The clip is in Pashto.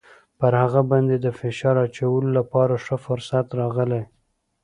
پر هغه باندې د فشار اچولو لپاره ښه فرصت راغلی.